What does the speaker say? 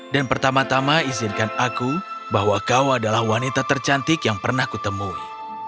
dan pertama tama izinkan aku bahwa kau adalah wanita tercantik yang pernah kutemui